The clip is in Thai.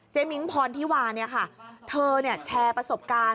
มิ้งพรธิวาเนี่ยค่ะเธอแชร์ประสบการณ์